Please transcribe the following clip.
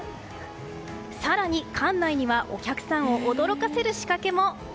更に館内にはお客さんを驚かせる仕掛けも！